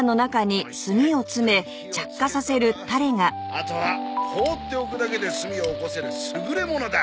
あとは放っておくだけで炭をおこせる優れものだ！